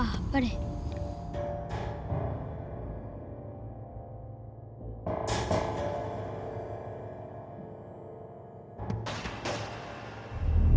emang ada apa apa disini